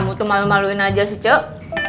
kamu tuh malu maluin aja sih cuk